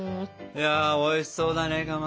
いやおいしそうだねかまど。